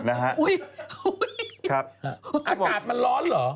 อากาศมันร้อนเหรอ